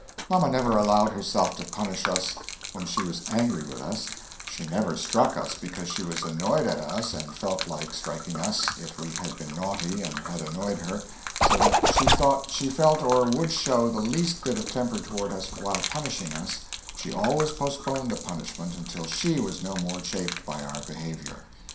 Mamma never allowed herself to punish us when she was angry with us she never struck us because she was enoyed at us and felt like striking us if we had been nauty and had enoyed her, so that she thought she felt or would show the least bit of temper toward us while punnishing us, she always postponed the punishment until she was no more chafed by our behavior.